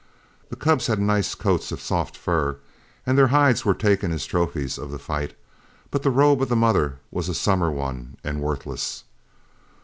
The cubs had nice coats of soft fur, and their hides were taken as trophies of the fight, but the robe of the mother was a summer one and worthless.